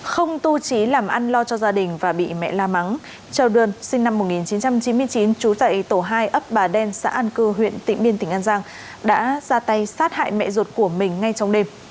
không tu trí làm ăn lo cho gia đình và bị mẹ la mắng trơ đơn sinh năm một nghìn chín trăm chín mươi chín trú tại tổ hai ấp bà đen xã an cư huyện tỉnh biên tỉnh an giang đã ra tay sát hại mẹ ruột của mình ngay trong đêm